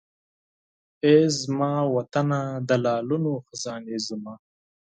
ای زما وطنه د لعلونو خزانې زما!